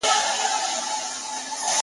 کونجکه لال وی